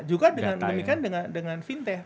juga dengan demikian dengan fintech